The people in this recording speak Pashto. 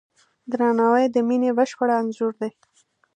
درناوی د مینې بشپړ انځور دی.